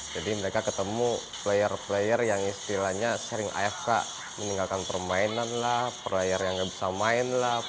jadi mereka ketemu player player yang istilahnya sering afk meninggalkan permainan lah player yang gak bisa main lah